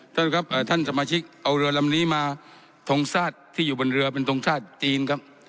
ท่านครับท่านสมาชิกเอาเรือลำนี้มาทรงชาติที่อยู่บนเรือเป็นทรงชาติจีนครับ